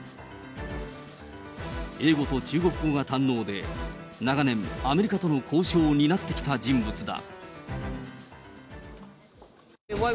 英語と中国語が堪能で、長年、アメリカとの交渉を担ってきた人物だ。